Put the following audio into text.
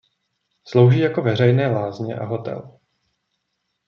Slouží jako veřejné lázně a hotel.